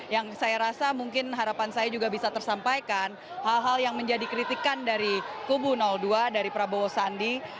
yang saya rasa mungkin harapan saya juga bisa tersampaikan hal hal yang menjadi kritikan dari kubu dua dari prabowo sandi